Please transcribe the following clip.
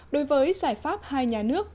đối với giải pháp hai nhà nước